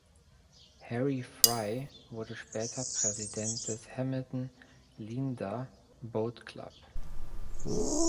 Harry Fry wurde später Präsident des Hamilton Leander Boat Club.